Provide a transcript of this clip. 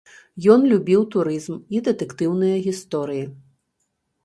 Ён любіў турызм і дэтэктыўныя гісторыі.